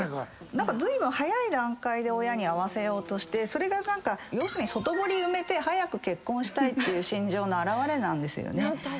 何かずいぶん早い段階で親に会わせようとしてそれが要するに外堀埋めて早く結婚したいっていう心情の表れなんですよね。